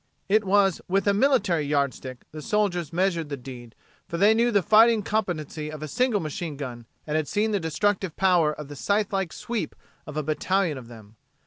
It was with a military yardstick the soldiers measured the deed, for they knew the fighting competency of a single machine gun and had seen the destructive power of the scythe like sweep of a battalion of them.